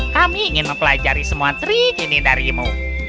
kami ingin mempelajari semua trik ini darimu